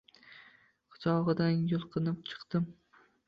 quchog`idan yulqinib chiqdim